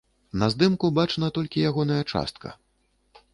На здымку бачна толькі ягоная частка.